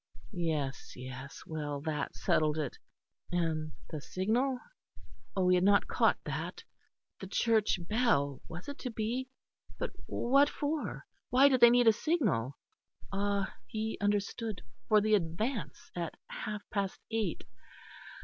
Yes, well, that settled it. And the signal? Oh, he had not caught that; the church bell, was it to be? But what for? Why did they need a signal? Ah! he understood, for the advance at half past eight.